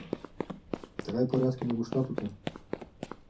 — Тыгай порядке нигуштат уке.